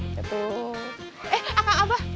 eh akang abah